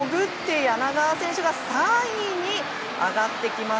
ここで一気に潜って柳川選手が３位に上がってきます。